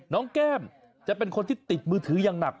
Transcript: แก้มจะเป็นคนที่ติดมือถืออย่างหนัก